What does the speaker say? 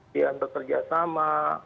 dia bekerja sama